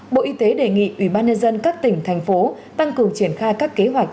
bộ y tế đề nghị ubnd các tỉnh thành phố tăng cường triển khai các kế hoạch